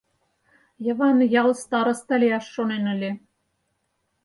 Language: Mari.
Йыван ял староста лияш шонен ыле.